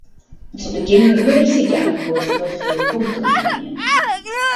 Zu Beginn würde ich Sie gerne kurz über vier Punkte informieren.